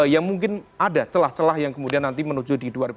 yang mungkin ada celah celah yang kemudian nanti menuju di dua ribu dua puluh